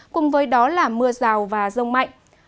cùng với đó là mưa rào và rông mạnh